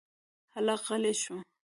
هلک غلی شو.